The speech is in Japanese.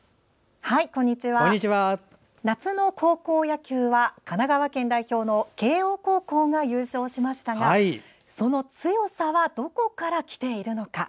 夏の高校野球は神奈川県代表の慶応高校が優勝しましたがその強さはどこから来ているのか。